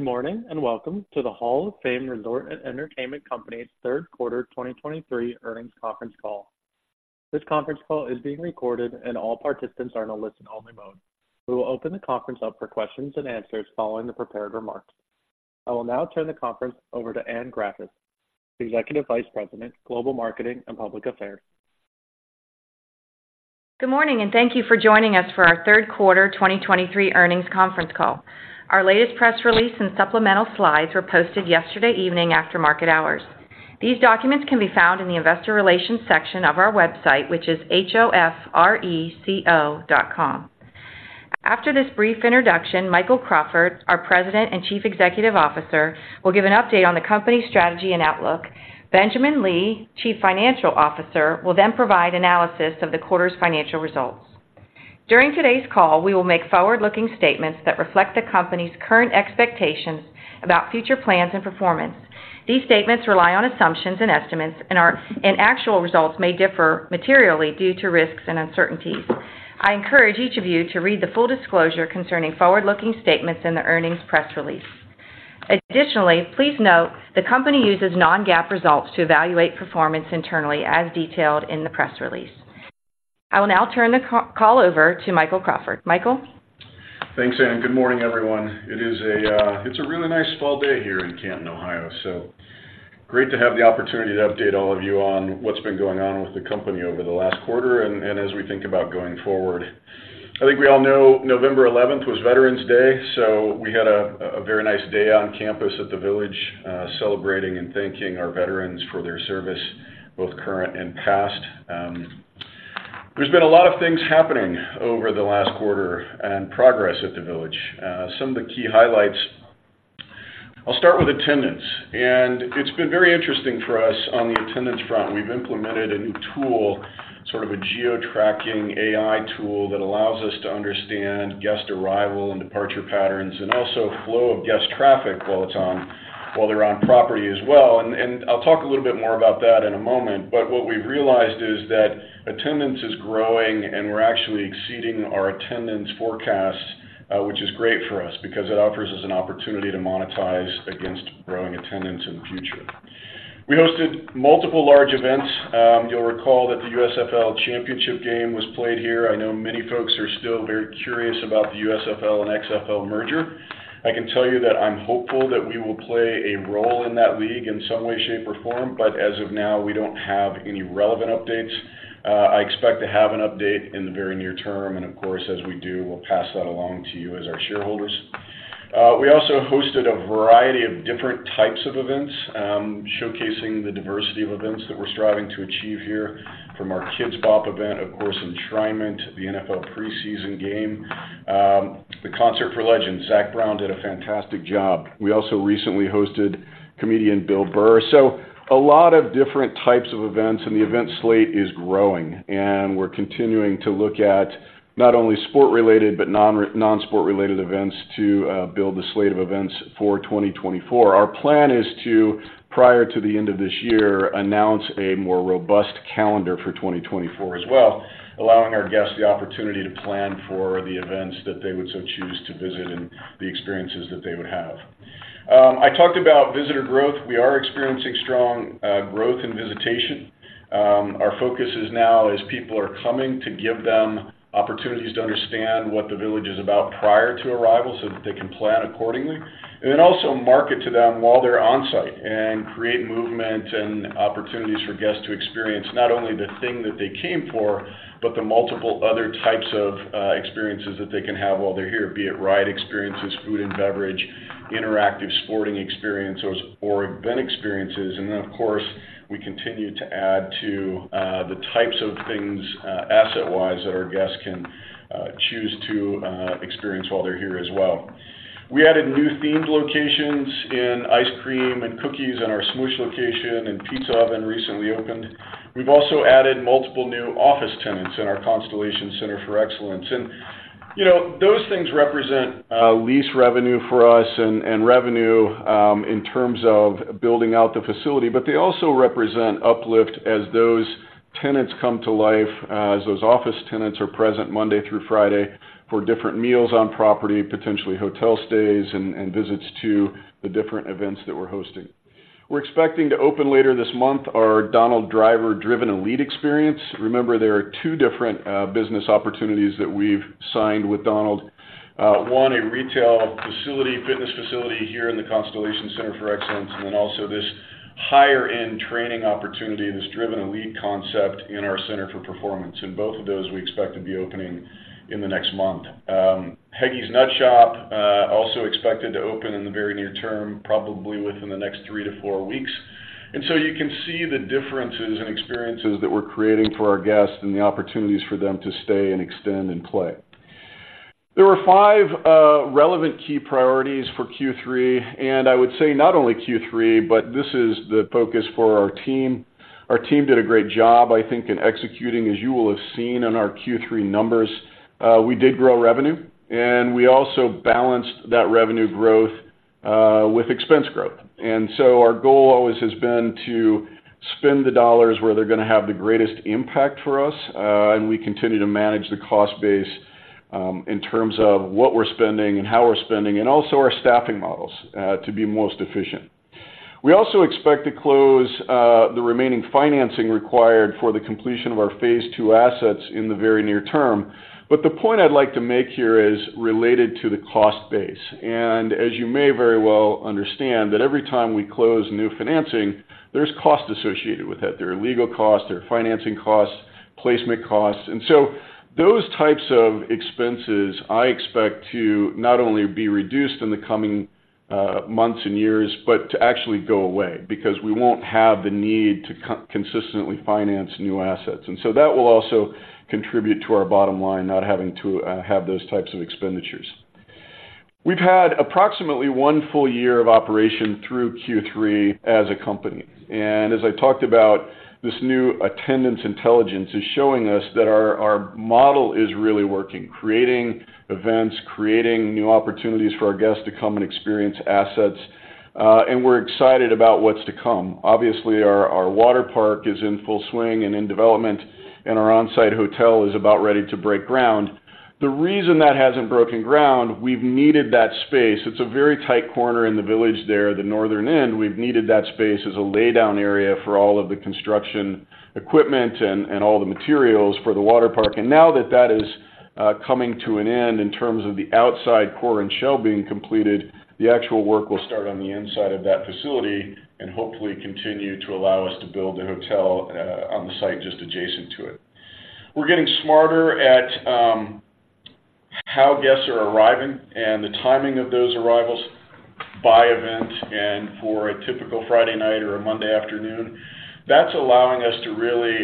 Good morning, and welcome to the Hall of Fame Resort and Entertainment Company's Third Quarter 2023 Earnings Conference Call. This conference call is being recorded, and all participants are in a listen-only mode. We will open the conference up for questions and answers following the prepared remarks. I will now turn the conference over to Anne Graffice, the Executive Vice President, Global Marketing and Public Affairs. Good morning, and thank you for joining us for our Third Quarter 2023 Earnings Conference Call. Our latest press release and supplemental slides were posted yesterday evening after market hours. These documents can be found in the Investor Relations section of our website, which is hofreco.com. After this brief introduction, Michael Crawford, our President and Chief Executive Officer, will give an update on the company's strategy and outlook. Benjamin Lee, Chief Financial Officer, will then provide analysis of the quarter's financial results. During today's call, we will make forward-looking statements that reflect the company's current expectations about future plans and performance. These statements rely on assumptions and estimates, and actual results may differ materially due to risks and uncertainties. I encourage each of you to read the full disclosure concerning forward-looking statements in the earnings press release. Additionally, please note, the company uses non-GAAP results to evaluate performance internally, as detailed in the press release. I will now turn the call over to Michael Crawford. Michael? Thanks, Anne. Good morning, everyone. It's a really nice fall day here in Canton, Ohio, so great to have the opportunity to update all of you on what's been going on with the company over the last quarter and, and as we think about going forward. I think we all know November eleventh was Veterans Day, so we had a very nice day on campus at the Village, celebrating and thanking our veterans for their service, both current and past. There's been a lot of things happening over the last quarter and progress at the Village. Some of the key highlights... I'll start with attendance, and it's been very interesting for us on the attendance front. We've implemented a new tool, sort of a geo-tracking AI tool, that allows us to understand guest arrival and departure patterns, and also flow of guest traffic while they're on property as well. I'll talk a little bit more about that in a moment, but what we've realized is that attendance is growing, and we're actually exceeding our attendance forecast, which is great for us because it offers us an opportunity to monetize against growing attendance in the future. We hosted multiple large events. You'll recall that the USFL Championship game was played here. I know many folks are still very curious about the USFL and XFL merger. I can tell you that I'm hopeful that we will play a role in that league in some way, shape, or form, but as of now, we don't have any relevant updates. I expect to have an update in the very near term, and of course, as we do, we'll pass that along to you as our shareholders. We also hosted a variety of different types of events, showcasing the diversity of events that we're striving to achieve here, from our KIDZ BOP event, of course, Enshrinement, the NFL preseason game, the Concert for Legends. Zac Brown did a fantastic job. We also recently hosted comedian Bill Burr. So a lot of different types of events, and the event slate is growing, and we're continuing to look at not only sport-related, but non-sport related events to build the slate of events for 2024. Our plan is to, prior to the end of this year, announce a more robust calendar for 2024 as well, allowing our guests the opportunity to plan for the events that they would so choose to visit and the experiences that they would have. I talked about visitor growth. We are experiencing strong growth in visitation. Our focus is now, as people are coming, to give them opportunities to understand what the Village is about prior to arrival, so that they can plan accordingly. And then also market to them while they're on-site and create movement and opportunities for guests to experience not only the thing that they came for, but the multiple other types of experiences that they can have while they're here, be it ride experiences, food and beverage, interactive sporting experiences, or event experiences. Then, of course, we continue to add to the types of things, asset-wise, that our guests can choose to experience while they're here as well. We added new themed locations in ice cream and cookies in our Smoosh location, and Pizza Oven recently opened. We've also added multiple new office tenants in our Constellation Center for Excellence. You know, those things represent lease revenue for us and revenue in terms of building out the facility, but they also represent uplift as those tenants come to life, as those office tenants are present Monday through Friday for different meals on property, potentially hotel stays, and visits to the different events that we're hosting. We're expecting to open later this month our Donald Driver Driven Elite experience. Remember, there are two different business opportunities that we've signed with Donald. One a retail facility, fitness facility here in the Constellation Center for Excellence, and then also this higher-end training opportunity, this Driven Elite concept in our Center for Performance. And both of those we expect to be opening in the next month. Heggy's Nut Shop, also expected to open in the very near term, probably within the next three to four weeks. And so you can see the differences and experiences that we're creating for our guests and the opportunities for them to stay and extend and play. There were 5 relevant key priorities for Q3, and I would say not only Q3, but this is the focus for our team. Our team did a great job, I think, in executing, as you will have seen in our Q3 numbers. We did grow revenue, and we also balanced that revenue growth with expense growth. And so our goal always has been to spend the dollars where they're gonna have the greatest impact for us, and we continue to manage the cost base, in terms of what we're spending and how we're spending, and also our staffing models, to be most efficient. We also expect to close the remaining financing required for the completion of our phase two assets in the very near term. But the point I'd like to make here is related to the cost base, and as you may very well understand, that every time we close new financing, there's costs associated with that. There are legal costs, there are financing costs, placement costs. Those types of expenses, I expect to not only be reduced in the coming months and years, but to actually go away because we won't have the need to consistently finance new assets. And so that will also contribute to our bottom line, not having to have those types of expenditures. We've had approximately one full year of operation through Q3 as a company, and as I talked about, this new attendance intelligence is showing us that our model is really working, creating events, creating new opportunities for our guests to come and experience assets, and we're excited about what's to come. Obviously, our water park is in full swing and in development, and our on-site hotel is about ready to break ground. The reason that hasn't broken ground, we've needed that space. It's a very tight corner in the village there, the northern end. We've needed that space as a laydown area for all of the construction equipment and all the materials for the water park. Now that that is coming to an end in terms of the outside core and shell being completed, the actual work will start on the inside of that facility and hopefully continue to allow us to build a hotel on the site just adjacent to it. We're getting smarter at how guests are arriving and the timing of those arrivals by event and for a typical Friday night or a Monday afternoon. That's allowing us to really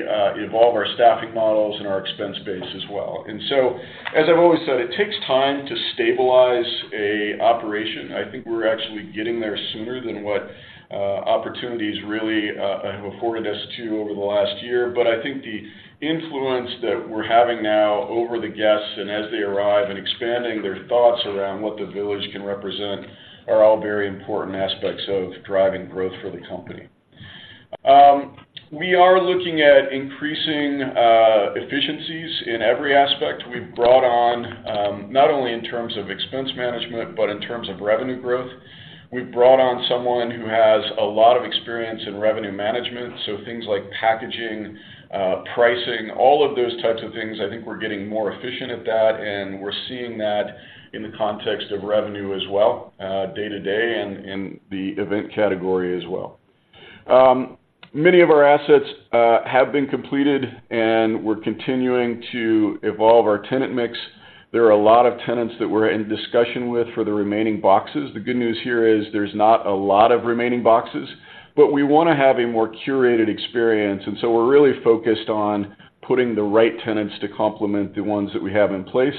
evolve our staffing models and our expense base as well. So, as I've always said, it takes time to stabilize an operation. I think we're actually getting there sooner than what, opportunities really, have afforded us to over the last year. But I think the influence that we're having now over the guests and as they arrive, and expanding their thoughts around what the village can represent, are all very important aspects of driving growth for the company. We are looking at increasing, efficiencies in every aspect. We've brought on, not only in terms of expense management, but in terms of revenue growth. We've brought on someone who has a lot of experience in revenue management, so things like packaging, pricing, all of those types of things. I think we're getting more efficient at that, and we're seeing that in the context of revenue as well, day-to-day and in the event category as well. Many of our assets have been completed, and we're continuing to evolve our tenant mix. There are a lot of tenants that we're in discussion with for the remaining boxes. The good news here is there's not a lot of remaining boxes, but we wanna have a more curated experience, and so we're really focused on putting the right tenants to complement the ones that we have in place.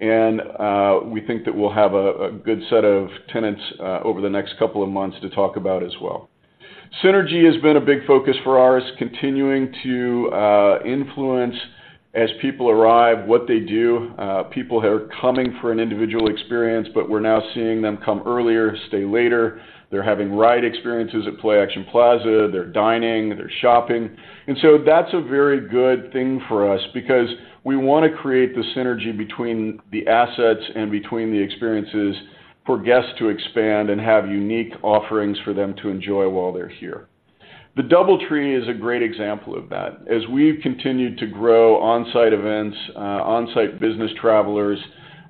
And we think that we'll have a good set of tenants over the next couple of months to talk about as well. Synergy has been a big focus for us, continuing to influence as people arrive, what they do. People are coming for an individual experience, but we're now seeing them come earlier, stay later. They're having ride experiences at Play-Action Plaza, they're dining, they're shopping. That's a very good thing for us because we wanna create the synergy between the assets and between the experiences for guests to expand and have unique offerings for them to enjoy while they're here. The DoubleTree is a great example of that. As we've continued to grow on-site events, on-site business travelers,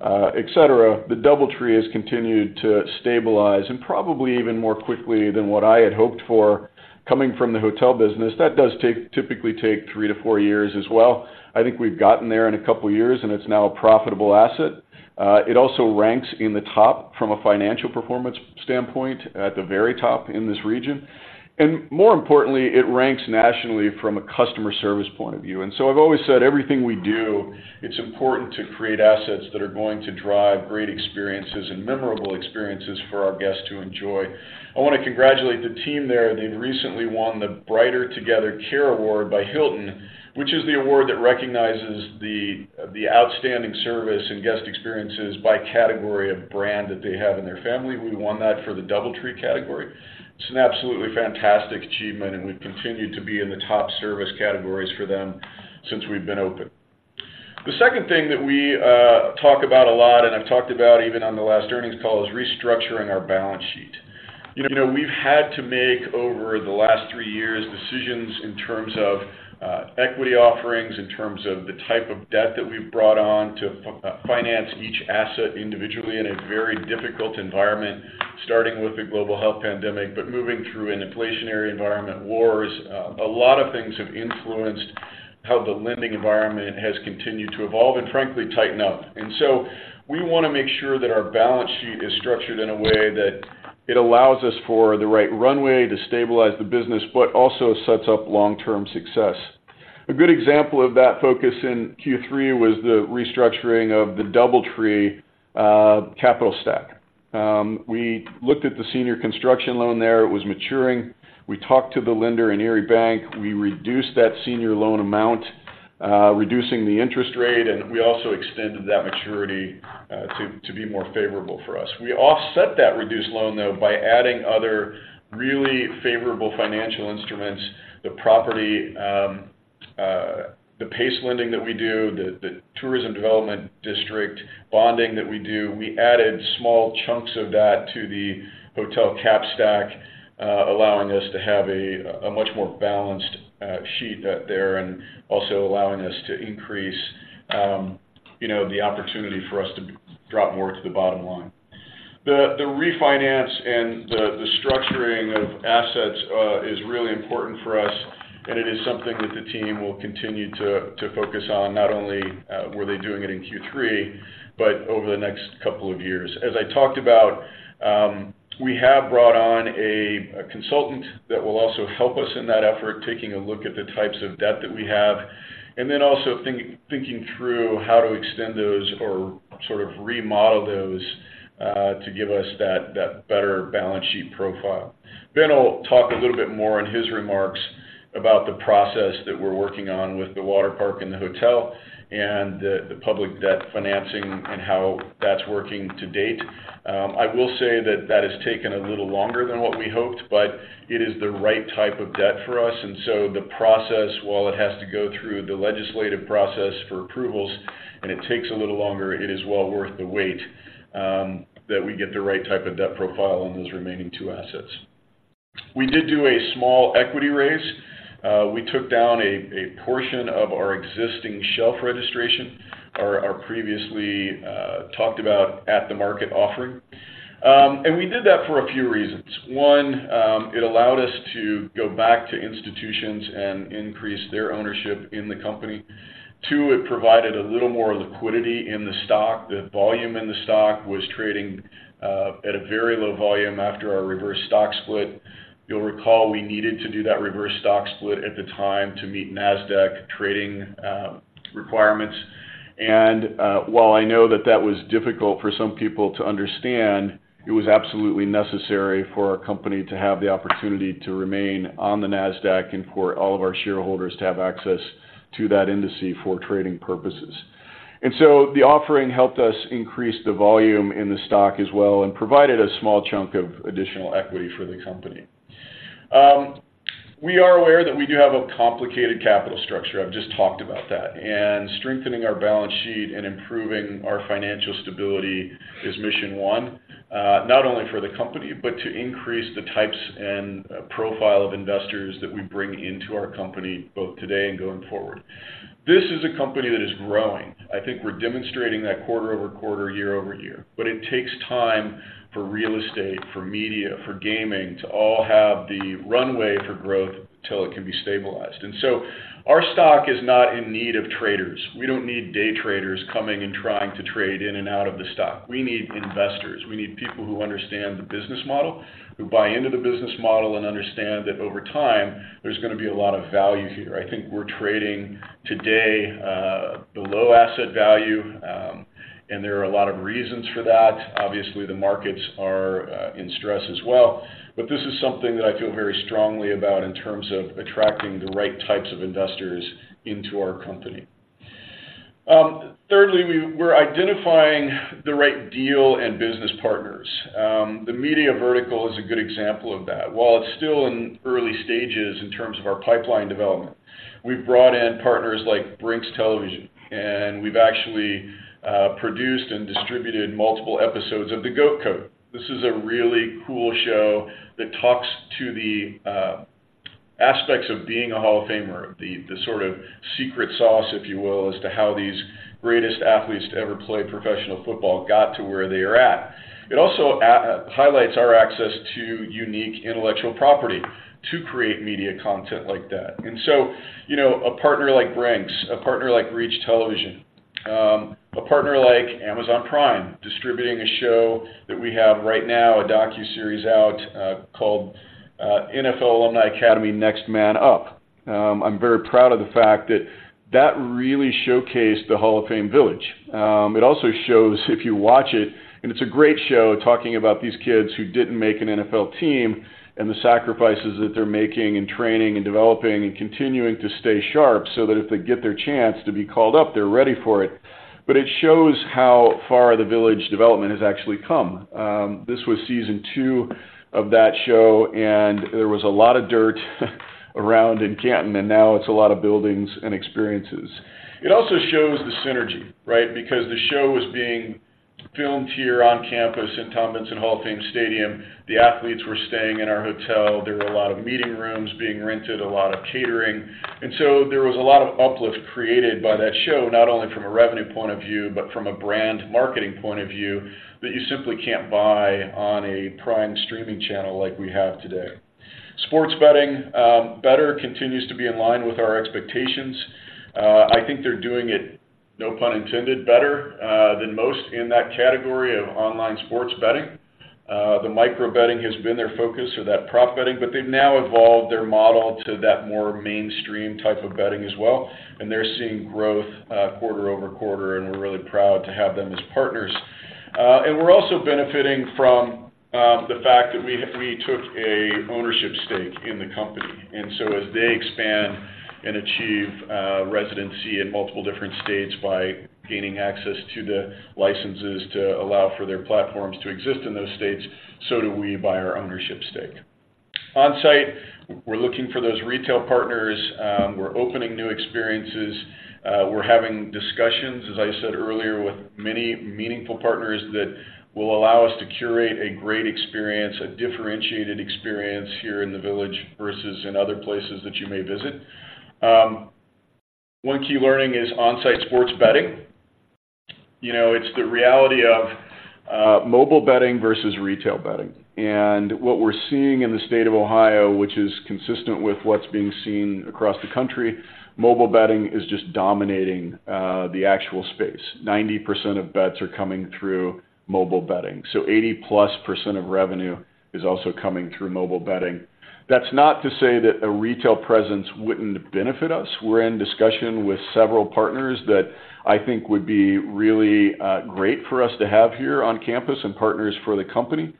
et cetera, the DoubleTree has continued to stabilize, and probably even more quickly than what I had hoped for. Coming from the hotel business, that does typically take 3-4 years as well. I think we've gotten there in a couple of years, and it's now a profitable asset. It also ranks in the top from a financial performance standpoint, at the very top in this region. And more importantly, it ranks nationally from a customer service point of view. And so I've always said everything we do, it's important to create assets that are going to drive great experiences and memorable experiences for our guests to enjoy. I wanna congratulate the team there. They've recently won the Brighter Together Care Award by Hilton, which is the award that recognizes the outstanding service and guest experiences by category of brand that they have in their family. We won that for the DoubleTree category. It's an absolutely fantastic achievement, and we've continued to be in the top service categories for them since we've been open. The second thing that we talk about a lot, and I've talked about even on the last earnings call, is restructuring our balance sheet. You know, we've had to make, over the last three years, decisions in terms of equity offerings, in terms of the type of debt that we've brought on to finance each asset individually in a very difficult environment, starting with the global health pandemic, but moving through an inflationary environment, wars. A lot of things have influenced how the lending environment has continued to evolve and frankly, tighten up. And so we wanna make sure that our balance sheet is structured in a way that it allows us for the right runway to stabilize the business, but also sets up long-term success. A good example of that focus in Q3 was the restructuring of the DoubleTree capital stack. We looked at the senior construction loan there. It was maturing. We talked to the lender in Erie Bank. We reduced that senior loan amount-... Reducing the interest rate, and we also extended that maturity to be more favorable for us. We offset that reduced loan, though, by adding other really favorable financial instruments, the property, the PACE lending that we do, the Tourism Development District bonding that we do, we added small chunks of that to the hotel cap stack, allowing us to have a much more balanced sheet there, and also allowing us to increase, you know, the opportunity for us to drop more to the bottom line. The refinance and the structuring of assets is really important for us, and it is something that the team will continue to focus on. Not only were they doing it in Q3, but over the next couple of years. As I talked about, we have brought on a consultant that will also help us in that effort, taking a look at the types of debt that we have, and then also thinking through how to extend those or sort of remodel those, to give us that better balance sheet profile. Ben will talk a little bit more in his remarks about the process that we're working on with the water park and the hotel, and the public debt financing and how that's working to date. I will say that that has taken a little longer than what we hoped, but it is the right type of debt for us, and so the process, while it has to go through the legislative process for approvals, and it takes a little longer, it is well worth the wait that we get the right type of debt profile on those remaining two assets. We did do a small equity raise. We took down a portion of our existing shelf registration, our previously talked about At-the-Market Offering. We did that for a few reasons. One, it allowed us to go back to institutions and increase their ownership in the company. Two, it provided a little more liquidity in the stock. The volume in the stock was trading at a very low volume after our Reverse Stock Split. You'll recall we needed to do that Reverse Stock Split at the time to meet Nasdaq trading requirements. While I know that that was difficult for some people to understand, it was absolutely necessary for our company to have the opportunity to remain on the Nasdaq and for all of our shareholders to have access to that industry for trading purposes. So the offering helped us increase the volume in the stock as well, and provided a small chunk of additional equity for the company. We are aware that we do have a complicated capital structure. I've just talked about that, and strengthening our balance sheet and improving our financial stability is mission one, not only for the company, but to increase the types and profile of investors that we bring into our company, both today and going forward. This is a company that is growing. I think we're demonstrating that quarter-over-quarter, year-over-year, but it takes time for real estate, for media, for gaming, to all have the runway for growth till it can be stabilized. And so our stock is not in need of traders. We don't need day traders coming and trying to trade in and out of the stock. We need investors. We need people who understand the business model, who buy into the business model and understand that over time, there's gonna be a lot of value here. I think we're trading today, below asset value, and there are a lot of reasons for that. Obviously, the markets are, in stress as well, but this is something that I feel very strongly about in terms of attracting the right types of investors into our company. Thirdly, we're identifying the right deal and business partners. The media vertical is a good example of that. While it's still in early stages in terms of our pipeline development, we've brought in partners like Brinks Television, and we've actually produced and distributed multiple episodes of The G.O.A.T. Code. This is a really cool show that talks to the aspects of being a Hall of Famer, the sort of secret sauce, if you will, as to how these greatest athletes to ever play professional football got to where they are at. It also highlights our access to unique intellectual property to create media content like that. And so, you know, a partner like Brinks, a partner like Reach Television, a partner like Amazon Prime, distributing a show that we have right now, a docuseries out, called NFL Alumni Academy: Next Man Up. I'm very proud of the fact that that really showcased the Hall of Fame Village. It also shows, if you watch it, and it's a great show, talking about these kids who didn't make an NFL team and the sacrifices that they're making in training and developing and continuing to stay sharp so that if they get their chance to be called up, they're ready for it. But it shows how far the village development has actually come. This was season two of that show, and there was a lot of dirt around in Canton, and now it's a lot of buildings and experiences. It also shows the synergy, right? Because the show was being filmed here on campus in Tom Benson Hall of Fame Stadium. The athletes were staying in our hotel. There were a lot of meeting rooms being rented, a lot of catering. So there was a lot of uplift created by that show, not only from a revenue point of view, but from a brand marketing point of view, that you simply can't buy on a prime streaming channel like we have today. Sports betting, Betr continues to be in line with our expectations. I think they're doing it, no pun intended, better than most in that category of online sports betting. The micro betting has been their focus or that prop betting, but they've now evolved their model to that more mainstream type of betting as well, and they're seeing growth, quarter-over-quarter, and we're really proud to have them as partners. And we're also benefiting from the fact that we, we took a ownership stake in the company, and so as they expand and achieve residency in multiple different states by gaining access to the licenses to allow for their platforms to exist in those states, so do we, by our ownership stake. On-site, we're looking for those retail partners, we're opening new experiences, we're having discussions, as I said earlier, with many meaningful partners that will allow us to curate a great experience, a differentiated experience here in the village versus in other places that you may visit. One key learning is on-site sports betting. You know, it's the reality of mobile betting versus retail betting. And what we're seeing in the state of Ohio, which is consistent with what's being seen across the country, mobile betting is just dominating the actual space. 90% of bets are coming through mobile betting, so 80%+ of revenue is also coming through mobile betting. That's not to say that a retail presence wouldn't benefit us. We're in discussion with several partners that I think would be really great for us to have here on campus and partners for the company.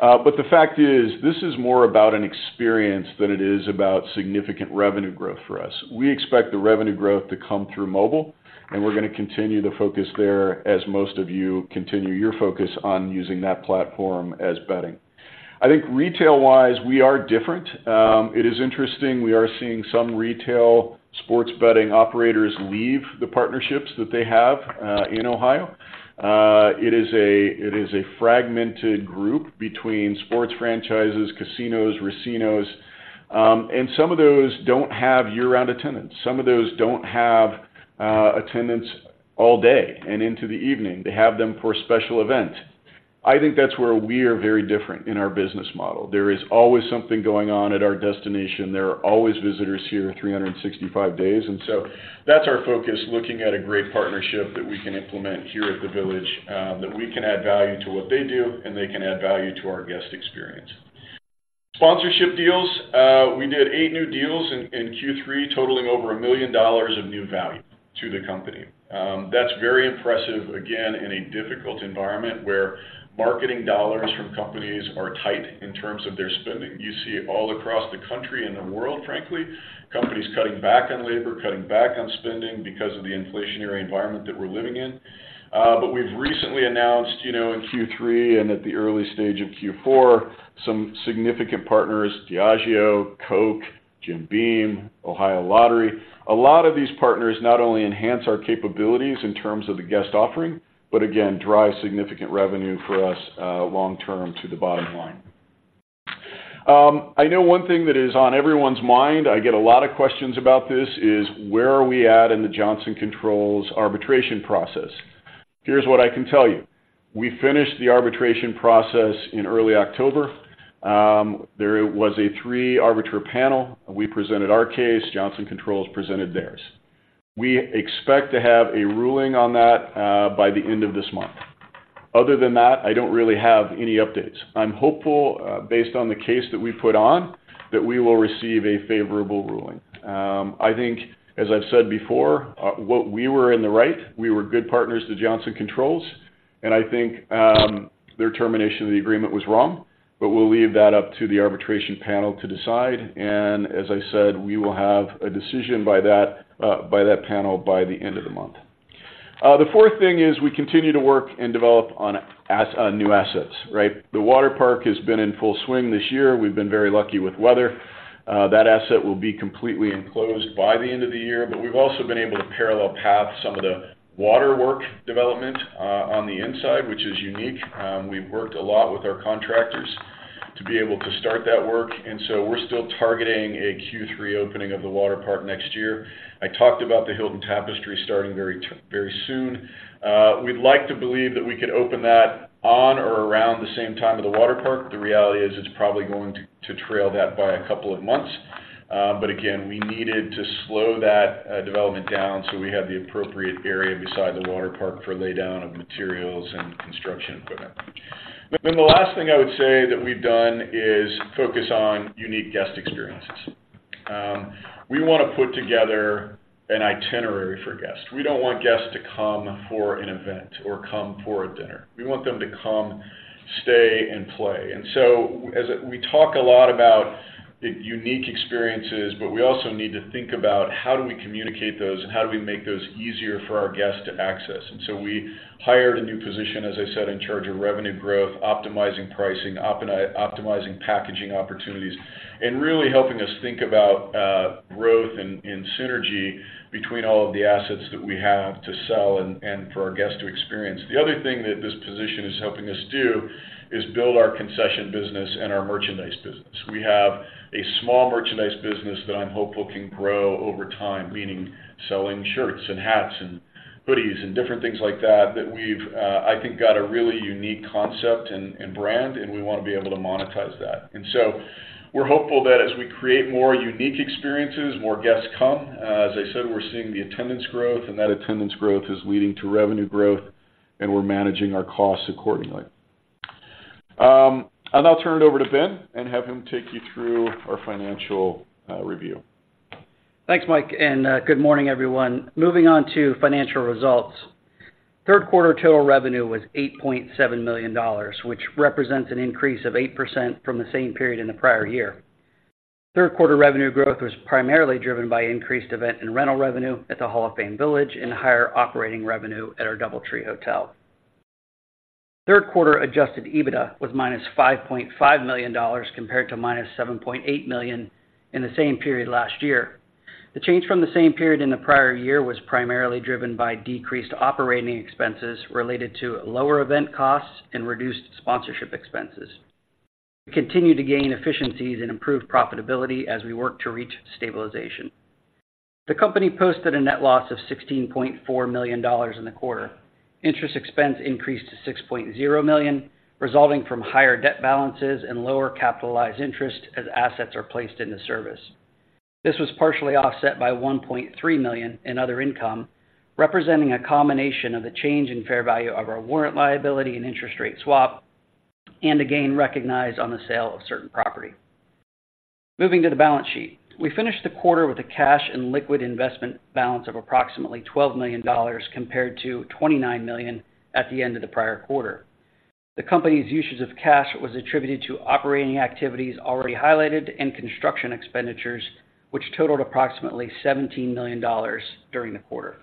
But the fact is, this is more about an experience than it is about significant revenue growth for us. We expect the revenue growth to come through mobile, and we're gonna continue to focus there, as most of you continue your focus on using that platform as betting. I think retail-wise, we are different. It is interesting, we are seeing some retail sports betting operators leave the partnerships that they have in Ohio. It is a fragmented group between sports franchises, casinos, racinos, and some of those don't have year-round attendance. Some of those don't have attendance all day and into the evening. They have them for a special event. I think that's where we are very different in our business model. There is always something going on at our destination. There are always visitors here, 365 days, and so that's our focus, looking at a great partnership that we can implement here at the village, that we can add value to what they do, and they can add value to our guest experience. Sponsorship deals, we did eight new deals in Q3, totaling over $1 million of new value to the company. That's very impressive, again, in a difficult environment where marketing dollars from companies are tight in terms of their spending. You see it all across the country and the world, frankly, companies cutting back on labor, cutting back on spending because of the inflationary environment that we're living in. But we've recently announced, you know, in Q3 and at the early stage of Q4, some significant partners, Diageo, Coke, Jim Beam, Ohio Lottery. A lot of these partners not only enhance our capabilities in terms of the guest offering, but again, drive significant revenue for us, long term to the bottom line. I know one thing that is on everyone's mind, I get a lot of questions about this, is where are we at in the Johnson Controls arbitration process? Here's what I can tell you: we finished the arbitration process in early October. There was a three-arbiter panel. We presented our case, Johnson Controls presented theirs. We expect to have a ruling on that, by the end of this month. Other than that, I don't really have any updates. I'm hopeful, based on the case that we put on, that we will receive a favorable ruling. I think, as I've said before, we were in the right, we were good partners to Johnson Controls, and I think, their termination of the agreement was wrong, but we'll leave that up to the arbitration panel to decide. As I said, we will have a decision by that panel by the end of the month. The fourth thing is we continue to work and develop on new assets, right? The water park has been in full swing this year. We've been very lucky with weather. That asset will be completely enclosed by the end of the year, but we've also been able to parallel path some of the water park development on the inside, which is unique. We've worked a lot with our contractors to be able to start that work, and so we're still targeting a Q3 opening of the water park next year. I talked about the Hilton Tapestry starting very soon. We'd like to believe that we could open that on or around the same time as the water park. The reality is, it's probably going to trail that by a couple of months. But again, we needed to slow that development down so we had the appropriate area beside the water park for laydown of materials and construction equipment. Then the last thing I would say that we've done is focus on unique guest experiences. We wanna put together an itinerary for guests. We don't want guests to come for an event or come for a dinner. We want them to come, stay, and play. And so we talk a lot about the unique experiences, but we also need to think about how do we communicate those and how do we make those easier for our guests to access. And so we hired a new position, as I said, in charge of revenue growth, optimizing pricing, optimizing packaging opportunities, and really helping us think about growth and synergy between all of the assets that we have to sell and for our guests to experience. The other thing that this position is helping us do is build our concession business and our merchandise business. We have a small merchandise business that I'm hopeful can grow over time, meaning selling shirts and hats and hoodies and different things like that, that we've, I think, got a really unique concept and brand, and we want to be able to monetize that. And so we're hopeful that as we create more unique experiences, more guests come. As I said, we're seeing the attendance growth, and that attendance growth is leading to revenue growth, and we're managing our costs accordingly. I'll now turn it over to Ben and have him take you through our financial review. Thanks, Mike, and good morning, everyone. Moving on to financial results. Third quarter total revenue was $8.7 million, which represents an increase of 8% from the same period in the prior year. Third quarter revenue growth was primarily driven by increased event and rental revenue at the Hall of Fame Village and higher operating revenue at our DoubleTree Hotel. Third quarter Adjusted EBITDA was -$5.5 million, compared to -$7.8 million in the same period last year. The change from the same period in the prior year was primarily driven by decreased operating expenses related to lower event costs and reduced sponsorship expenses. We continue to gain efficiencies and improve profitability as we work to reach stabilization. The company posted a net loss of $16.4 million in the quarter. Interest expense increased to $6.0 million, resulting from higher debt balances and lower capitalized interest as assets are placed into service. This was partially offset by $1.3 million in other income, representing a combination of the change in fair value of our warrant liability and interest rate swap, and a gain recognized on the sale of certain property. Moving to the balance sheet. We finished the quarter with a cash and liquid investment balance of approximately $12 million, compared to $29 million at the end of the prior quarter. The company's usage of cash was attributed to operating activities already highlighted and construction expenditures, which totaled approximately $17 million during the quarter.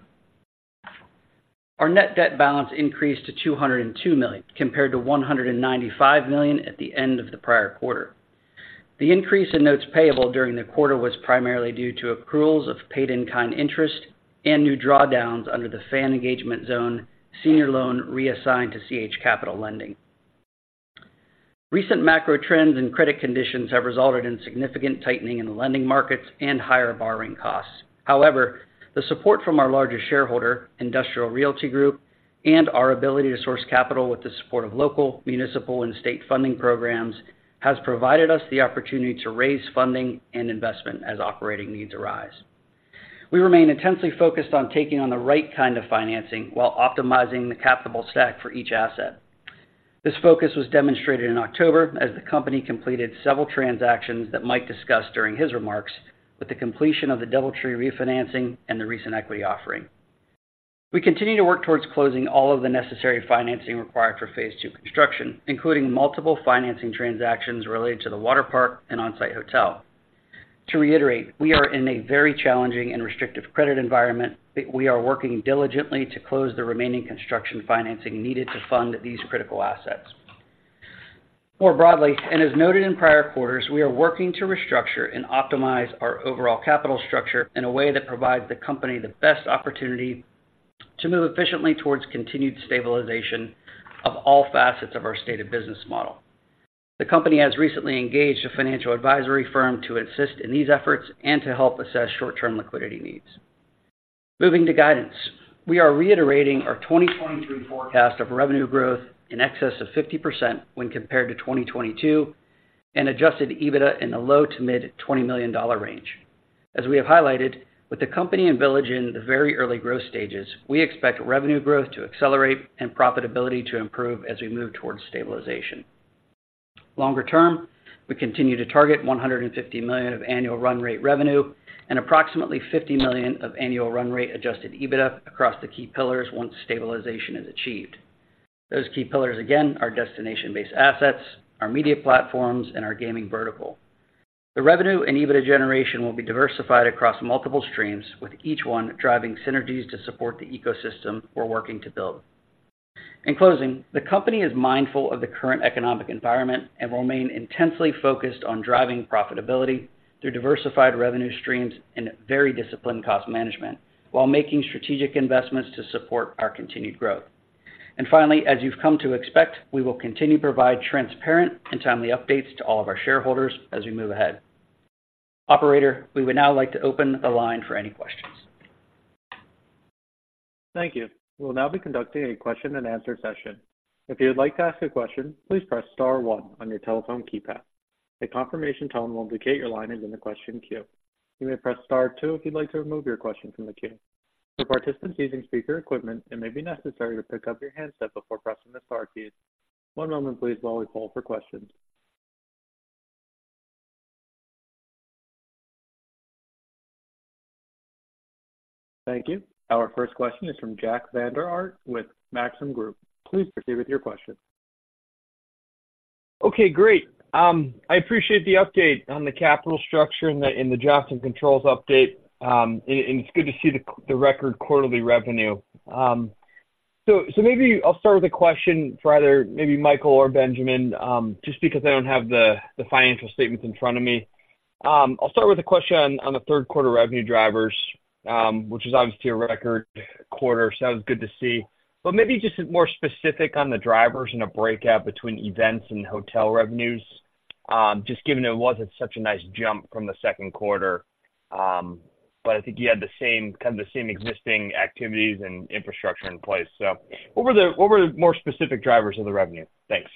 Our net debt balance increased to $202 million, compared to $195 million at the end of the prior quarter. The increase in notes payable during the quarter was primarily due to accruals of paid in-kind interest and new drawdowns under the Fan Engagement Zone senior loan reassigned to CH Capital Lending. Recent macro trends and credit conditions have resulted in significant tightening in the lending markets and higher borrowing costs. However, the support from our largest shareholder, Industrial Realty Group, and our ability to source capital with the support of local, municipal, and state funding programs, has provided us the opportunity to raise funding and investment as operating needs arise. We remain intensely focused on taking on the right kind of financing while optimizing the capital stack for each asset. This focus was demonstrated in October, as the company completed several transactions that Mike discussed during his remarks, with the completion of the DoubleTree refinancing and the recent equity offering. We continue to work towards closing all of the necessary financing required for phase two construction, including multiple financing transactions related to the water park and on-site hotel. To reiterate, we are in a very challenging and restrictive credit environment, but we are working diligently to close the remaining construction financing needed to fund these critical assets. More broadly, and as noted in prior quarters, we are working to restructure and optimize our overall capital structure in a way that provides the company the best opportunity to move efficiently towards continued stabilization of all facets of our stated business model. The company has recently engaged a financial advisory firm to assist in these efforts and to help assess short-term liquidity needs. Moving to guidance. We are reiterating our 2023 forecast of revenue growth in excess of 50% when compared to 2022, and adjusted EBITDA in the low- to mid-$20 million range. As we have highlighted, with the company and Village in the very early growth stages, we expect revenue growth to accelerate and profitability to improve as we move towards stabilization. Longer term, we continue to target $150 million of annual run rate revenue and approximately $50 million of annual run rate adjusted EBITDA across the key pillars once stabilization is achieved. Those key pillars, again, are destination-based assets, our media platforms, and our gaming vertical. The revenue and EBITDA generation will be diversified across multiple streams, with each one driving synergies to support the ecosystem we're working to build. In closing, the company is mindful of the current economic environment and will remain intensely focused on driving profitability through diversified revenue streams and very disciplined cost management, while making strategic investments to support our continued growth. Finally, as you've come to expect, we will continue to provide transparent and timely updates to all of our shareholders as we move ahead. Operator, we would now like to open the line for any questions. Thank you. We'll now be conducting a question-and-answer session. If you'd like to ask a question, please press star one on your telephone keypad. A confirmation tone will indicate your line is in the question queue. You may press star two if you'd like to remove your question from the queue. For participants using speaker equipment, it may be necessary to pick up your handset before pressing the star keys. One moment please while we poll for questions. Thank you. Our first question is from Jack Vander Aarde with Maxim Group. Please proceed with your question. Okay, great. I appreciate the update on the capital structure and the adjustment controls update. And it's good to see the record quarterly revenue. So maybe I'll start with a question for either maybe Michael or Benjamin, just because I don't have the financial statements in front of me. I'll start with a question on the third quarter revenue drivers, which is obviously a record quarter, so that was good to see. But maybe just more specific on the drivers and a breakout between events and hotel revenues, just given it wasn't such a nice jump from the second quarter. But I think you had the same kind of the same existing activities and infrastructure in place. So what were the more specific drivers of the revenue? Thanks.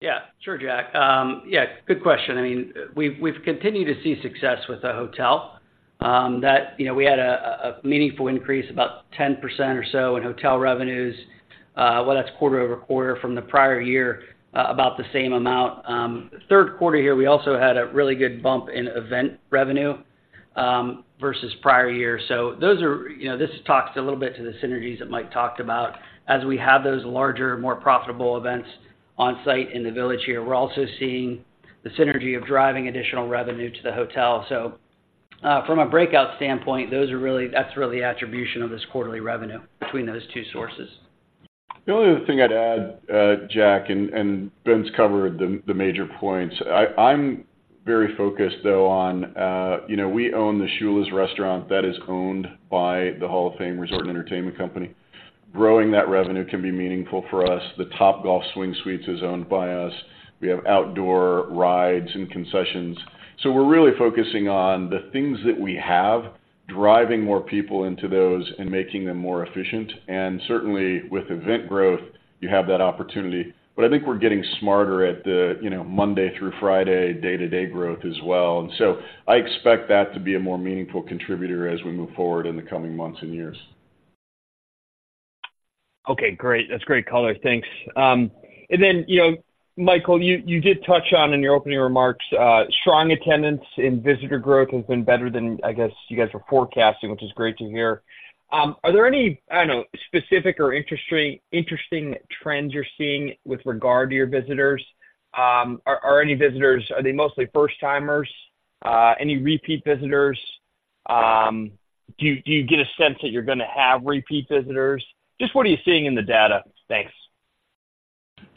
Yeah. Sure, Jack. Yeah, good question. I mean, we've continued to see success with the hotel, that, you know, we had a meaningful increase, about 10% or so in hotel revenues. Well, that's quarter-over-quarter from the prior year, about the same amount. Third quarter here, we also had a really good bump in event revenue, versus prior year. So those are, you know, this talks a little bit to the synergies that Mike talked about. As we have those larger, more profitable events on-site in the village here, we're also seeing the synergy of driving additional revenue to the hotel. So, from a breakout standpoint, those are really, that's really the attribution of this quarterly revenue between those two sources. The only other thing I'd add, Jack, and Ben's covered the major points. I'm very focused, though, on, you know, we own the Shula's restaurant that is owned by the Hall of Fame Resort & Entertainment Company. Growing that revenue can be meaningful for us. The Topgolf Swing Suites is owned by us. We have outdoor rides and concessions. So we're really focusing on the things that we have, driving more people into those and making them more efficient, and certainly with event growth, you have that opportunity. But I think we're getting smarter at the, you know, Monday through Friday, day-to-day growth as well. And so I expect that to be a more meaningful contributor as we move forward in the coming months and years. Okay, great. That's great color. Thanks. And then, you know, Michael, you did touch on, in your opening remarks, strong attendance and visitor growth has been better than, I guess, you guys were forecasting, which is great to hear. Are there any, I don't know, specific or interesting trends you're seeing with regard to your visitors? Are any visitors-- are they mostly first-timers? Any repeat visitors? Do you get a sense that you're gonna have repeat visitors? Just what are you seeing in the data? Thanks.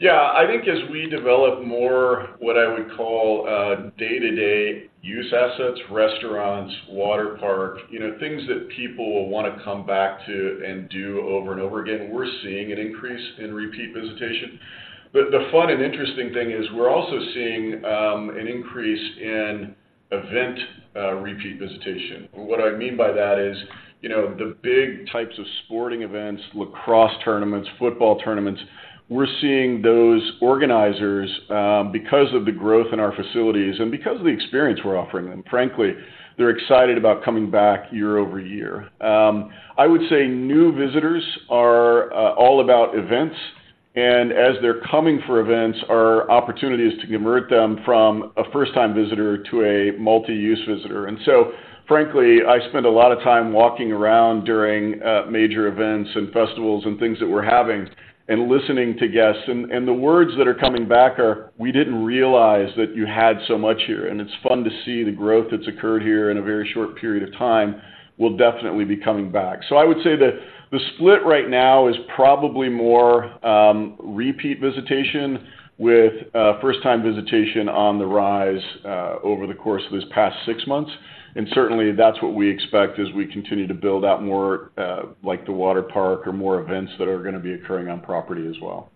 Yeah, I think as we develop more, what I would call, a day-to-day use assets, restaurants, water park, you know, things that people will want to come back to and do over and over again, we're seeing an increase in repeat visitation. But the fun and interesting thing is we're also seeing an increase in event repeat visitation. What I mean by that is, you know, the big types of sporting events, lacrosse tournaments, football tournaments, we're seeing those organizers because of the growth in our facilities and because of the experience we're offering them, frankly, they're excited about coming back year over year. I would say new visitors are all about events, and as they're coming for events, are opportunities to convert them from a first-time visitor to a multi-use visitor. So, frankly, I spend a lot of time walking around during major events and festivals and things that we're having and listening to guests, and the words that are coming back are: "We didn't realize that you had so much here," and, "It's fun to see the growth that's occurred here in a very short period of time. We'll definitely be coming back." I would say that the split right now is probably more repeat visitation, with first-time visitation on the rise over the course of this past six months. And certainly, that's what we expect as we continue to build out more, like the water park or more events that are gonna be occurring on property as well.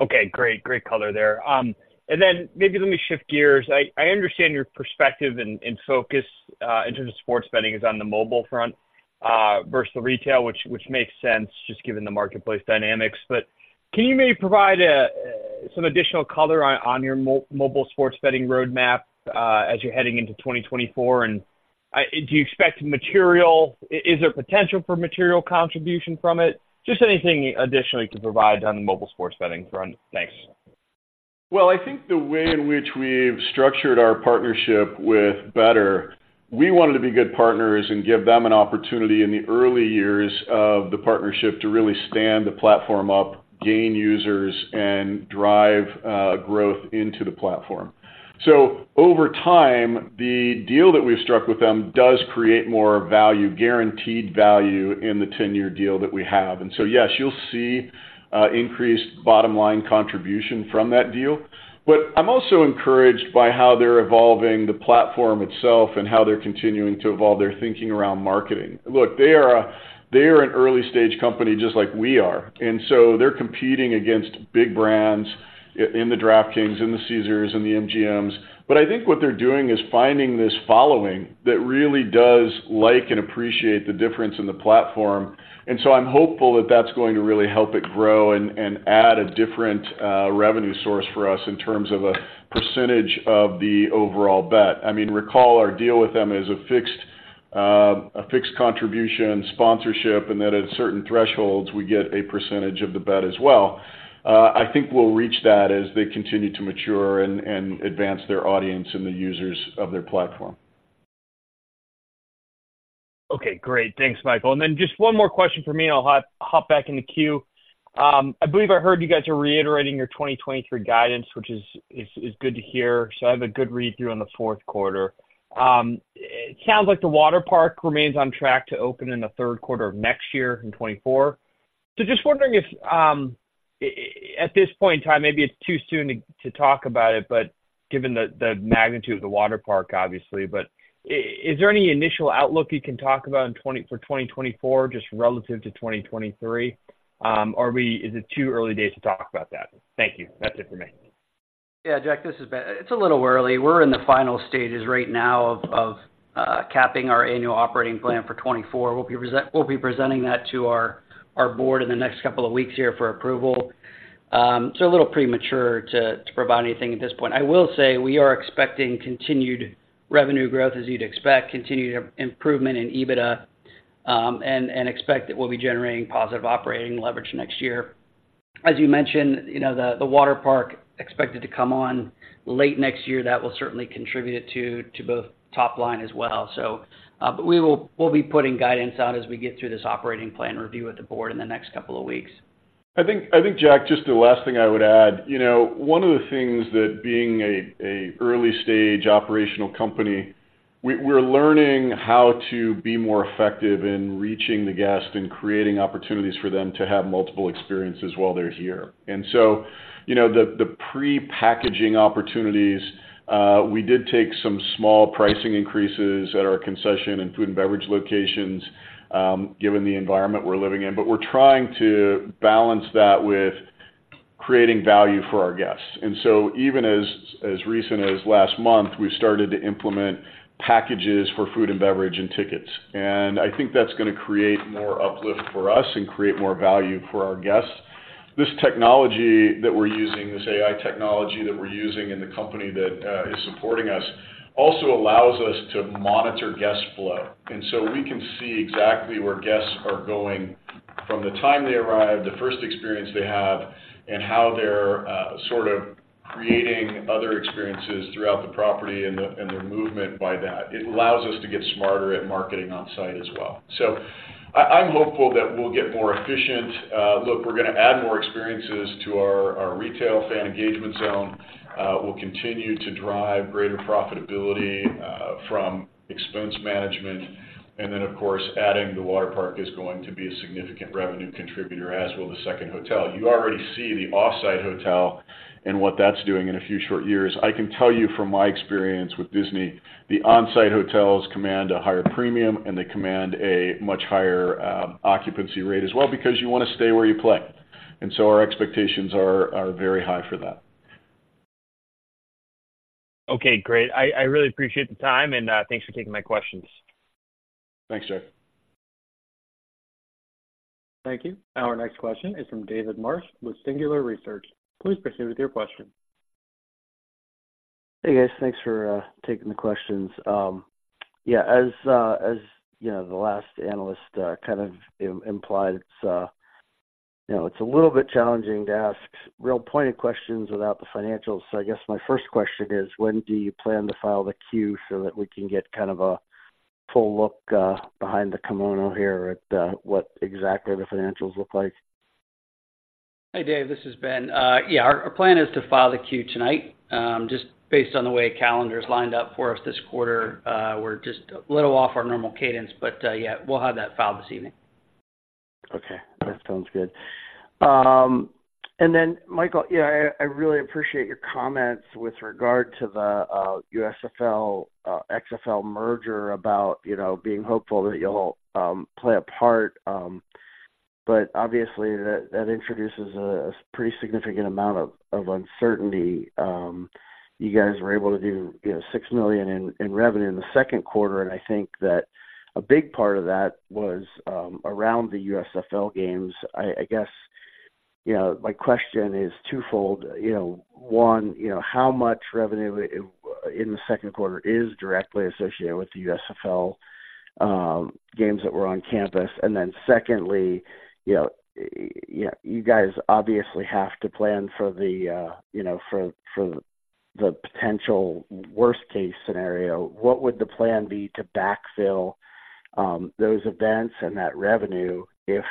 Okay, great. Great color there. And then maybe let me shift gears. I understand your perspective and focus in terms of sports betting is on the mobile front versus the retail, which makes sense, just given the marketplace dynamics. But can you maybe provide some additional color on your mobile sports betting roadmap as you're heading into 2024? And do you expect material... Is there potential for material contribution from it? Just anything additionally to provide on the mobile sports betting front. Thanks. Well, I think the way in which we've structured our partnership with Betr, we wanted to be good partners and give them an opportunity in the early years of the partnership to really stand the platform up, gain users, and drive growth into the platform. So over time, the deal that we've struck with them does create more value, guaranteed value, in the 10-year deal that we have. And so, yes, you'll see increased bottom-line contribution from that deal. But I'm also encouraged by how they're evolving the platform itself and how they're continuing to evolve their thinking around marketing. Look, they are an early-stage company, just like we are, and so they're competing against big brands in the DraftKings, in the Caesars, and the MGMs. But I think what they're doing is finding this following that really does like and appreciate the difference in the platform. And so I'm hopeful that that's going to really help it grow and add a different revenue source for us in terms of a percentage of the overall bet. I mean, recall, our deal with them is a fixed contribution sponsorship, and that at certain thresholds, we get a percentage of the bet as well. I think we'll reach that as they continue to mature and advance their audience and the users of their platform. Okay, great. Thanks, Michael. And then just one more question for me, and I'll hop back in the queue. I believe I heard you guys are reiterating your 2023 guidance, which is good to hear, so I have a good read through on the fourth quarter. It sounds like the water park remains on track to open in the third quarter of next year, in 2024. So just wondering if at this point in time, maybe it's too soon to talk about it, but given the magnitude of the water park, obviously, but is there any initial outlook you can talk about in 2024, just relative to 2023? Or is it too early days to talk about that? Thank you. That's it for me. Yeah, Jack, this is Ben. It's a little early. We're in the final stages right now of capping our annual operating plan for 2024. We'll be presenting that to our board in the next couple of weeks here for approval. So a little premature to provide anything at this point. I will say we are expecting continued revenue growth, as you'd expect, continued improvement in EBITDA, and expect that we'll be generating positive operating leverage next year. As you mentioned, you know, the water park expected to come on late next year, that will certainly contribute to both top line as well. So, but we will be putting guidance out as we get through this operating plan review with the board in the next couple of weeks. I think, I think, Jack, just the last thing I would add, you know, one of the things that being an early stage operational company, we, we're learning how to be more effective in reaching the guest and creating opportunities for them to have multiple experiences while they're here. And so, you know, the prepackaging opportunities, we did take some small pricing increases at our concession and food and beverage locations, given the environment we're living in. But we're trying to balance that with creating value for our guests. And so even as recent as last month, we started to implement packages for food and beverage and tickets. And I think that's gonna create more uplift for us and create more value for our guests. This technology that we're using, this AI technology that we're using, and the company that is supporting us, also allows us to monitor guest flow. And so we can see exactly where guests are going from the time they arrive, the first experience they have, and how they're sort of creating other experiences throughout the property and the, and their movement by that. It allows us to get smarter at marketing on-site as well. So I'm hopeful that we'll get more efficient. Look, we're gonna add more experiences to our, our retail Fan Engagement Zone. We'll continue to drive greater profitability from expense management. And then, of course, adding the water park is going to be a significant revenue contributor, as will the second hotel. You already see the off-site hotel and what that's doing in a few short years. I can tell you from my experience with Disney, the on-site hotels command a higher premium, and they command a much higher occupancy rate as well, because you wanna stay where you play. And so our expectations are very high for that. Okay, great. I really appreciate the time, and thanks for taking my questions. Thanks, Jack. Thank you. Our next question is from David Marsh with Singular Research. Please proceed with your question. Hey, guys. Thanks for taking the questions. Yeah, as you know, the last analyst kind of implied, you know, it's a little bit challenging to ask real pointed questions without the financials. So I guess my first question is, when do you plan to file the queue so that we can get kind of a full look behind the kimono here at what exactly the financials look like? Hey, David, this is Ben. Yeah, our plan is to file the queue tonight. Just based on the way calendar is lined up for us this quarter, we're just a little off our normal cadence, but yeah, we'll have that filed this evening. Okay, that sounds good. And then, Michael, yeah, I really appreciate your comments with regard to the USFL, XFL merger about, you know, being hopeful that you'll play a part. But obviously, that introduces a pretty significant amount of uncertainty. You guys were able to do, you know, $6 million in revenue in the second quarter, and I think that a big part of that was around the USFL games. I guess, you know, my question is twofold. You know, one, you know, how much revenue in the second quarter is directly associated with the USFL games that were on campus? And then secondly, you know, you guys obviously have to plan for the, you know, for the potential worst-case scenario. What would the plan be to backfill those events and that revenue if,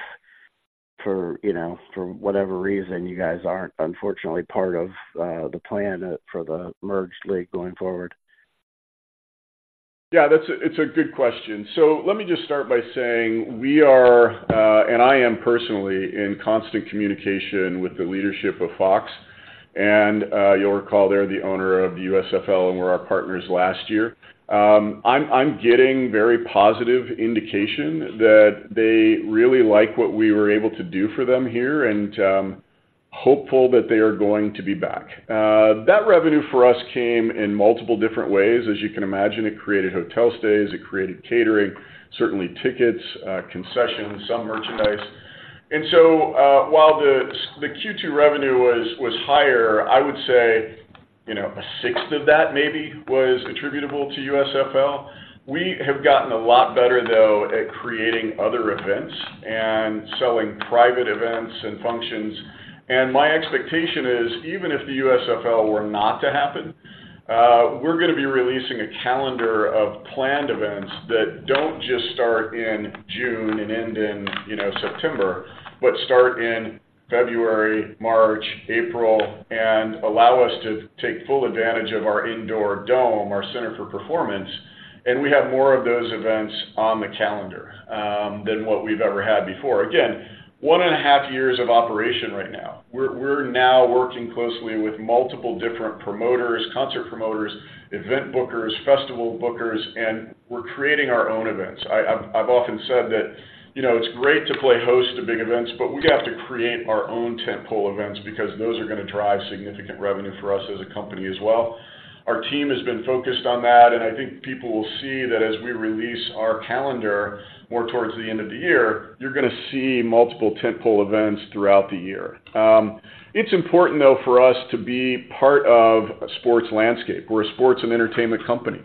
you know, for whatever reason, you guys aren't, unfortunately, part of the plan for the merged league going forward? Yeah, that's a good question. So let me just start by saying we are, and I am personally in constant communication with the leadership of Fox, and you'll recall they're the owner of USFL and were our partners last year. I'm getting very positive indication that they really like what we were able to do for them here, and hopeful that they are going to be back. That revenue for us came in multiple different ways. As you can imagine, it created hotel stays, it created catering, certainly tickets, concessions, some merchandise. And so, while the Q2 revenue was higher, I would say, you know, a sixth of that maybe was attributable to USFL. We have gotten a lot better, though, at creating other events and selling private events and functions. My expectation is, even if the USFL were not to happen, we're gonna be releasing a calendar of planned events that don't just start in June and end in, you know, September, but start in February, March, April, and allow us to take full advantage of our indoor dome, our Center for Performance. We have more of those events on the calendar than what we've ever had before. Again, 1.5 years of operation right now. We're now working closely with multiple different promoters, concert promoters, event bookers, festival bookers, and we're creating our own events. I've often said that, you know, it's great to play host to big events, but we have to create our own tentpole events because those are gonna drive significant revenue for us as a company as well. Our team has been focused on that, and I think people will see that as we release our calendar more towards the end of the year, you're going to see multiple tentpole events throughout the year. It's important, though, for us to be part of a sports landscape. We're a sports and entertainment company.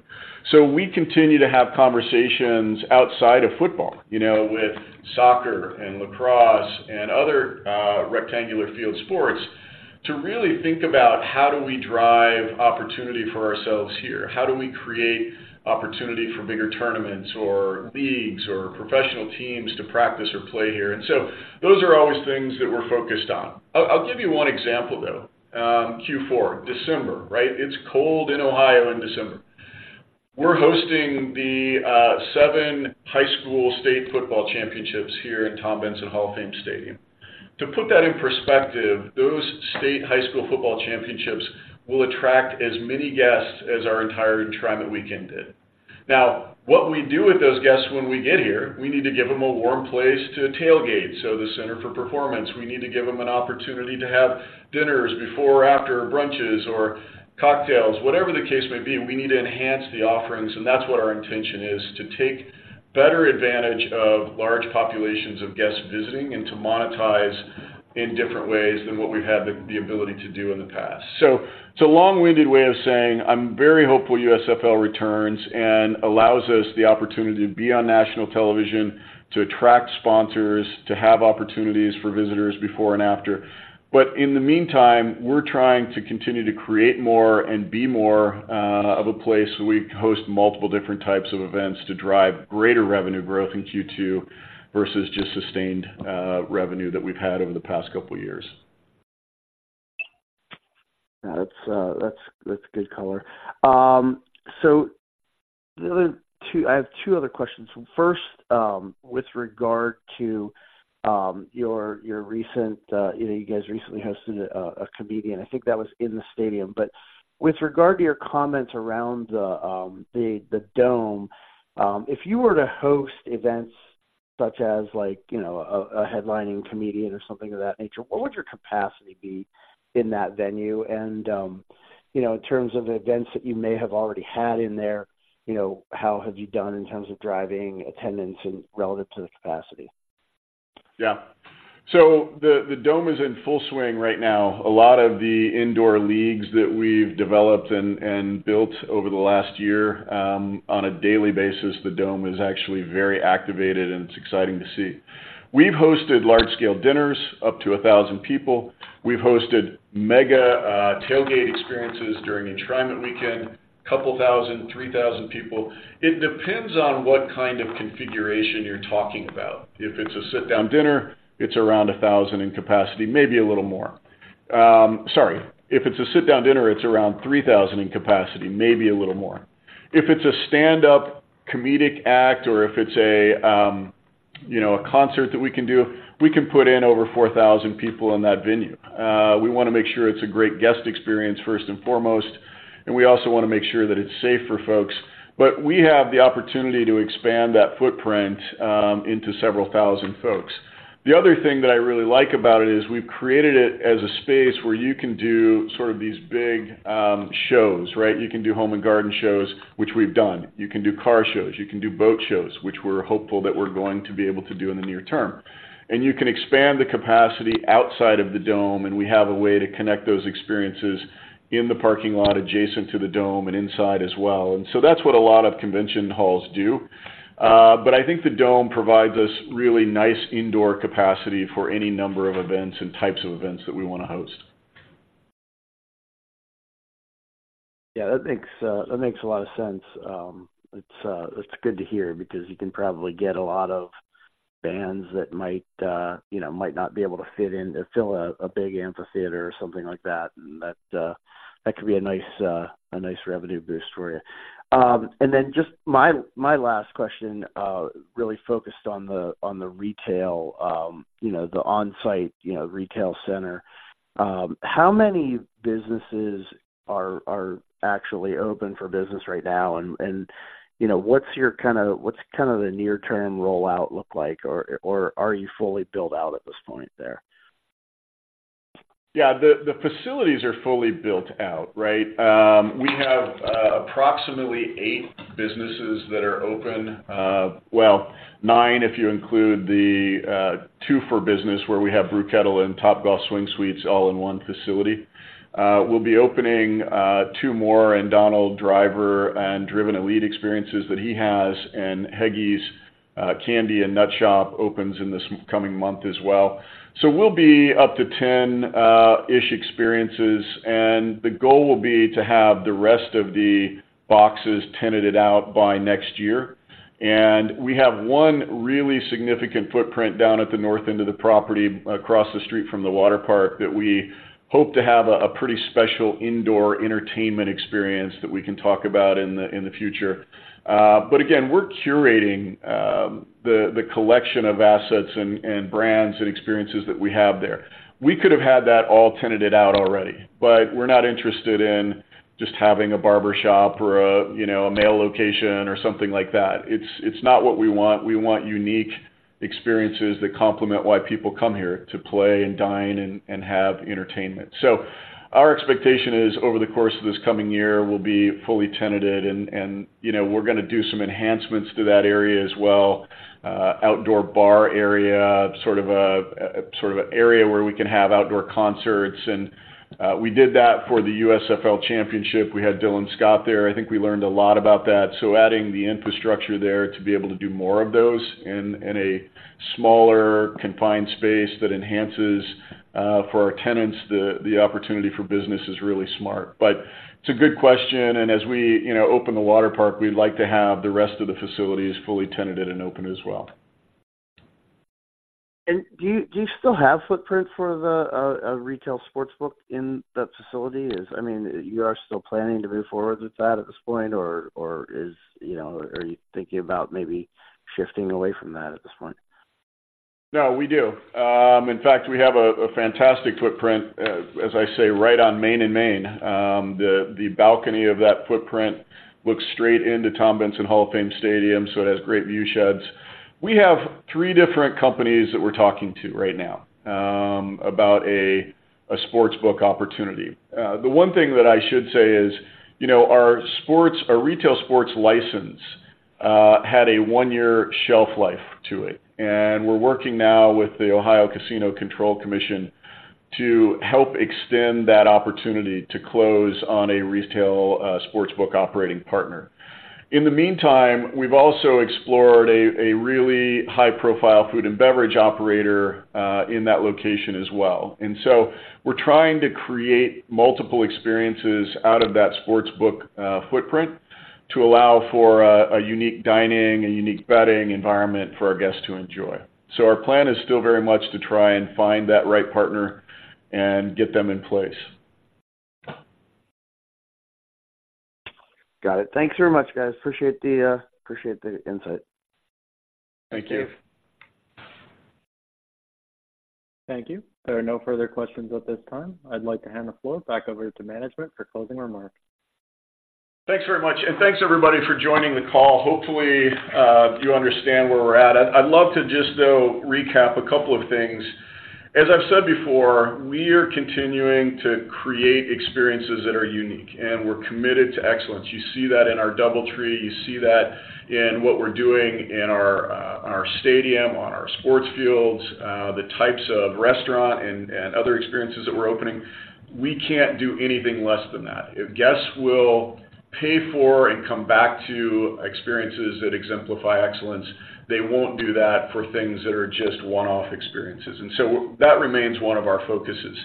So we continue to have conversations outside of football, you know, with soccer and lacrosse and other rectangular field sports, to really think about how do we drive opportunity for ourselves here? How do we create opportunity for bigger tournaments or leagues or professional teams to practice or play here? And so those are always things that we're focused on. I'll, I'll give you one example, though. Q4, December, right? It's cold in Ohio in December. We're hosting the seven high school state football championships here in Tom Benson Hall of Fame Stadium. To put that in perspective, those state high school football championships will attract as many guests as our entire Enshrinement weekend did. Now, what we do with those guests when we get here, we need to give them a warm place to tailgate, so the Center for Performance. We need to give them an opportunity to have dinners before or after brunches or cocktails. Whatever the case may be, we need to enhance the offerings, and that's what our intention is, to take better advantage of large populations of guests visiting and to monetize in different ways than what we've had the ability to do in the past. So it's a long-winded way of saying I'm very hopeful USFL returns and allows us the opportunity to be on national television, to attract sponsors, to have opportunities for visitors before and after. But in the meantime, we're trying to continue to create more and be more, of a place where we host multiple different types of events to drive greater revenue growth in Q2 versus just sustained, revenue that we've had over the past couple of years. Yeah, that's, that's good color. So the other two, I have two other questions. First, with regard to your recent, you know, you guys recently hosted a comedian, I think that was in the stadium. But with regard to your comments around the, the dome, if you were to host events such as, like, you know, a headlining comedian or something of that nature, what would your capacity be in that venue? And, you know, in terms of events that you may have already had in there, you know, how have you done in terms of driving attendance in relative to the capacity? Yeah. So the dome is in full swing right now. A lot of the indoor leagues that we've developed and built over the last year, on a daily basis, the dome is actually very activated, and it's exciting to see. We've hosted large-scale dinners, up to 1,000 people. We've hosted mega tailgate experiences during Enshrinement weekend, a couple thousand, 3,000 people. It depends on what kind of configuration you're talking about. If it's a sit-down dinner, it's around 1,000 in capacity, maybe a little more. Sorry. If it's a sit-down dinner, it's around 3,000 in capacity, maybe a little more. If it's a stand-up comedic act or if it's a, you know, a concert that we can do, we can put in over 4,000 people in that venue. We wanna make sure it's a great guest experience, first and foremost, and we also want to make sure that it's safe for folks. But we have the opportunity to expand that footprint into several thousand folks. The other thing that I really like about it is we've created it as a space where you can do sort of these big shows, right? You can do home and garden shows, which we've done. You can do car shows, you can do boat shows, which we're hopeful that we're going to be able to do in the near term. And you can expand the capacity outside of the dome, and we have a way to connect those experiences in the parking lot adjacent to the dome and inside as well. And so that's what a lot of convention halls do. But I think the dome provides us really nice indoor capacity for any number of events and types of events that we want to host. Yeah, that makes, that makes a lot of sense. It's good to hear because you can probably get a lot of bands that might, you know, might not be able to fit in or fill a big amphitheater or something like that, and that could be a nice revenue boost for you. And then just my last question really focused on the retail, you know, the on-site, you know, retail center. How many businesses are actually open for business right now? And, you know, what's kind of the near-term rollout look like, or are you fully built out at this point there? Yeah, the facilities are fully built out, right? We have approximately 8 businesses that are open. Well, 9, if you include the 2 for business, where we have Brew Kettle and Topgolf Swing Suites all in one facility. We'll be opening 2 more in Donald Driver and Driven Elite experiences that he has, and Heggy's Candy and Nut Shop opens in this coming month as well. So we'll be up to 10-ish experiences, and the goal will be to have the rest of the boxes tenanted out by next year. And we have one really significant footprint down at the north end of the property, across the street from the water park, that we hope to have a pretty special indoor entertainment experience that we can talk about in the future. But again, we're curating the collection of assets and brands and experiences that we have there. We could have had that all tenanted out already, but we're not interested in just having a barber shop or, you know, a mail location or something like that. It's not what we want. We want unique experiences that complement why people come here, to play and dine and have entertainment. So our expectation is, over the course of this coming year, we'll be fully tenanted, and, you know, we're gonna do some enhancements to that area as well, outdoor bar area, sort of an area where we can have outdoor concerts. And we did that for the USFL Championship. We had Dylan Scott there. I think we learned a lot about that. So adding the infrastructure there to be able to do more of those in a smaller, confined space that enhances for our tenants the opportunity for business is really smart. But it's a good question, and as we, you know, open the waterpark, we'd like to have the rest of the facilities fully tenanted and open as well. And do you, do you still have footprint for the, a retail sports book in that facility? I mean, you are still planning to move forward with that at this point, or, or is, you know, are you thinking about maybe shifting away from that at this point? No, we do. In fact, we have a fantastic footprint, as I say, right on Main and Main. The balcony of that footprint looks straight into Tom Benson Hall of Fame Stadium, so it has great view sheds. We have three different companies that we're talking to right now, about a sports book opportunity. The one thing that I should say is, you know, our sports—our retail sports license had a one-year shelf life to it, and we're working now with the Ohio Casino Control Commission to help extend that opportunity to close on a retail sports book operating partner. In the meantime, we've also explored a really high-profile food and beverage operator in that location as well. So we're trying to create multiple experiences out of that sports book footprint, to allow for a unique dining and unique betting environment for our guests to enjoy. Our plan is still very much to try and find that right partner and get them in place. Got it. Thanks very much, guys. Appreciate the insight. Thank you. Thank you. There are no further questions at this time. I'd like to hand the floor back over to management for closing remarks. Thanks very much, and thanks, everybody, for joining the call. Hopefully, you understand where we're at. I'd love to just, though, recap a couple of things. As I've said before, we are continuing to create experiences that are unique, and we're committed to excellence. You see that in our DoubleTree, you see that in what we're doing in our stadium, on our sports fields, the types of restaurant and other experiences that we're opening. We can't do anything less than that. If guests will pay for and come back to experiences that exemplify excellence, they won't do that for things that are just one-off experiences. And so that remains one of our focuses.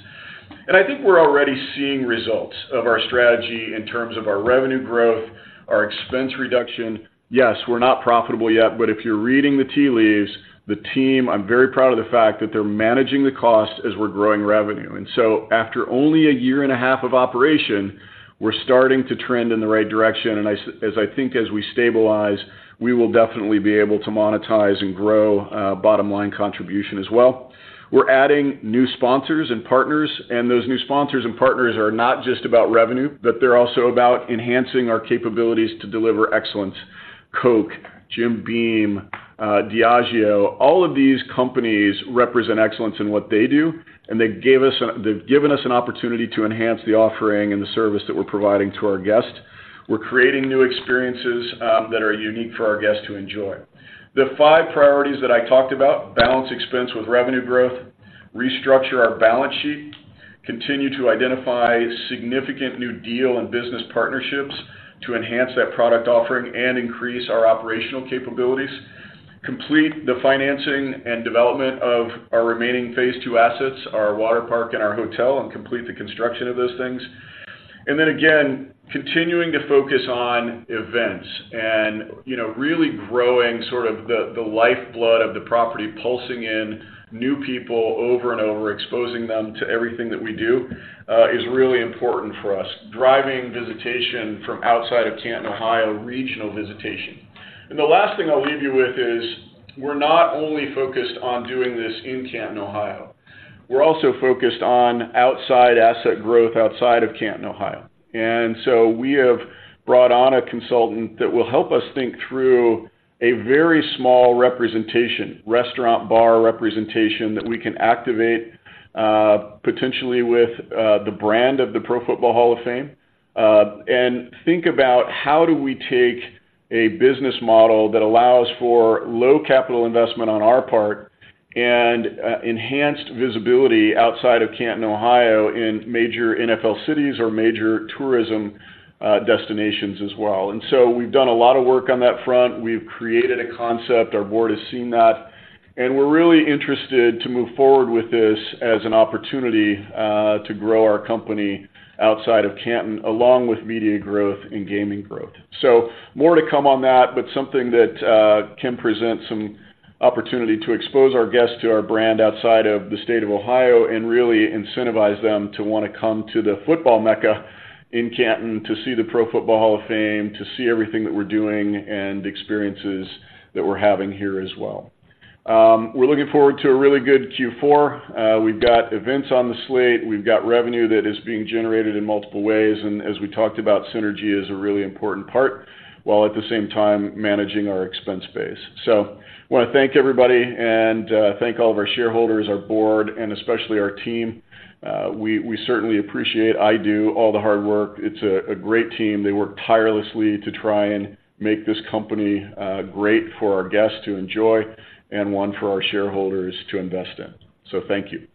And I think we're already seeing results of our strategy in terms of our revenue growth, our expense reduction. Yes, we're not profitable yet, but if you're reading the tea leaves, the team, I'm very proud of the fact that they're managing the cost as we're growing revenue. And so after only a year and a half of operation, we're starting to trend in the right direction, and as I think as we stabilize, we will definitely be able to monetize and grow bottom line contribution as well. We're adding new sponsors and partners, and those new sponsors and partners are not just about revenue, but they're also about enhancing our capabilities to deliver excellence. Coke, Jim Beam, Diageo, all of these companies represent excellence in what they do, and they've given us an opportunity to enhance the offering and the service that we're providing to our guests. We're creating new experiences that are unique for our guests to enjoy. The five priorities that I talked about, balance expense with revenue growth, restructure our balance sheet, continue to identify significant new deal and business partnerships to enhance that product offering and increase our operational capabilities, complete the financing and development of our remaining Phase Two assets, our water park and our hotel, and complete the construction of those things. Then again, continuing to focus on events and, you know, really growing sort of the, the lifeblood of the property, pulsing in new people over and over, exposing them to everything that we do, is really important for us, driving visitation from outside of Canton, Ohio, regional visitation. The last thing I'll leave you with is, we're not only focused on doing this in Canton, Ohio, we're also focused on outside asset growth outside of Canton, Ohio. And so we have brought on a consultant that will help us think through a very small representation, restaurant, bar representation, that we can activate, potentially with the brand of the Pro Football Hall of Fame, and think about how do we take a business model that allows for low capital investment on our part and enhanced visibility outside of Canton, Ohio, in major NFL cities or major tourism destinations as well. We've done a lot of work on that front. We've created a concept. Our board has seen that, and we're really interested to move forward with this as an opportunity to grow our company outside of Canton, along with media growth and gaming growth. So more to come on that, but something that can present some opportunity to expose our guests to our brand outside of the state of Ohio and really incentivize them to wanna come to the football mecca in Canton, to see the Pro Football Hall of Fame, to see everything that we're doing and the experiences that we're having here as well. We're looking forward to a really good Q4. We've got events on the slate. We've got revenue that is being generated in multiple ways, and as we talked about, synergy is a really important part, while at the same time, managing our expense base. So wanna thank everybody and thank all of our shareholders, our board, and especially our team. We certainly appreciate, I do, all the hard work. It's a great team. They work tirelessly to try and make this company great for our guests to enjoy and one for our shareholders to invest in. Thank you.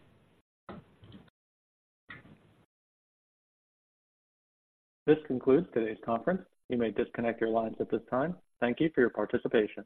This concludes today's conference. You may disconnect your lines at this time. Thank you for your participation.